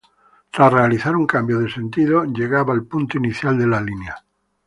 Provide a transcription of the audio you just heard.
Tras realizar un cambio de sentido, llegaba al punto inicial de la línea.